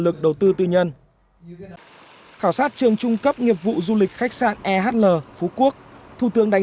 lực đầu tư tư nhân khảo sát trường trung cấp nghiệp vụ du lịch khách sạn ehl phú quốc thủ tướng đánh